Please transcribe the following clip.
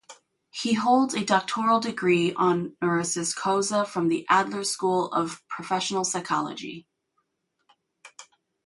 He holds a doctoral degree honoris causa from the Adler School of Professional Psychology.